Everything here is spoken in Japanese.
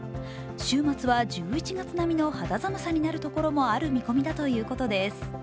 週末は１１月並みの肌寒さになる見込みだというのです。